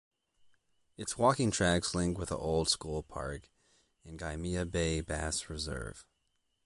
Its walking tracks link with the Old School Park and Gymea Bay Baths Reserve.